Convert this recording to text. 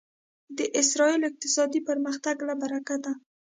د اسرایلو اقتصادي پرمختګ له برکته دی.